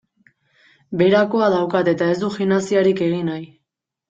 Beherakoa daukat eta ez dut gimnasiarik egin nahi.